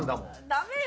ダメよ！